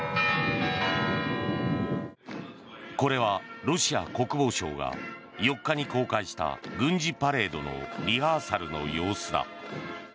これは、ロシア国防省が４日に公開した軍事パレードのリハーサルの様子だ。